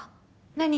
何？